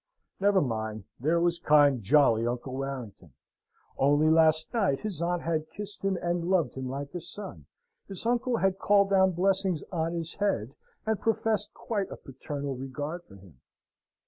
Never mind! There was kind, jolly Uncle Warrington. Only last night his aunt had kissed him and loved him like a son. His uncle had called down blessings on his head, and professed quite a paternal regard for him.